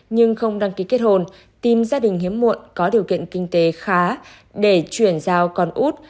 nhưng không đăng ký kết hồn tìm gia đình hiếm muộn có điều kiện kinh tế khá để chuyển giao còn út